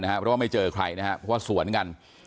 เพราะว่าไม่เจอใครนะครับเพราะว่าสวนกัน